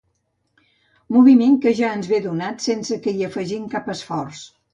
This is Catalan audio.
Moviment que ja ens ve donat sense que hi afegim cap esforç.